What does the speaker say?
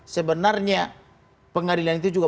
sebenarnya pengadilan itu juga